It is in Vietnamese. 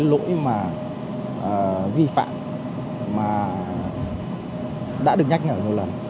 lỗi mà vi phạm mà đã được nhắc nhở nhiều lần